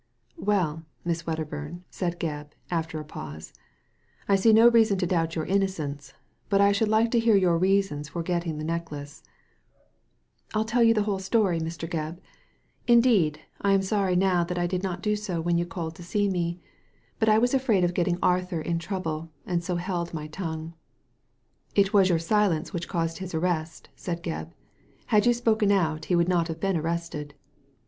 "Well, Miss Wedderburn," said Gebb, after a pause, "I see no reason to doubt your innocence, but I should like to hear your reasons for getting the necklace/* "I'll tell you the whole story, Mn Gebb. Indeed, I am sorry now that I did not do so when you called to see me ; but I was afraid of getting Arthur into trouble, and so held my tongue." "It was your silence which caused his arrest," said Gebb. " Had you spoken out, he would not have been arrested."